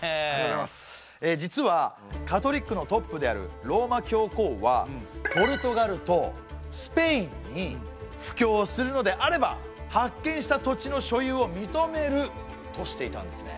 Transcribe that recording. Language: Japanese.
実はカトリックのトップであるローマ教皇はポルトガルとスペインに布教するのであれば発見した土地の所有を認めるとしていたんですね。